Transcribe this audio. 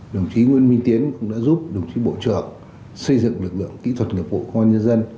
đồng chí nguyễn minh tiến cũng đã giúp đồng chí bộ trưởng xây dựng lực lượng kỹ thuật nghiệp vụ công an nhân dân